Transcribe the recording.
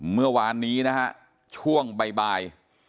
เมื่อวานนี้นะฮะช่วงบ่าย